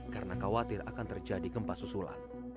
karena khawatir akan terjadi gempa susulan